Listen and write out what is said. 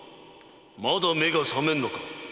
まだ目が覚めんのか！